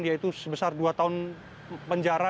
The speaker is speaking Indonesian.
yaitu sebesar dua tahun penjara